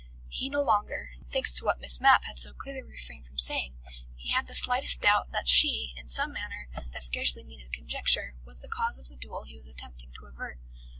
He no longer, thanks to what Miss Mapp had so clearly refrained from saying, had the slightest doubt that she, in some manner that scarcely needed conjecture, was the cause of the duel he was attempting to avert.